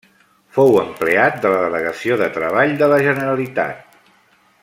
Fou empleat de la delegació de Treball de la Generalitat.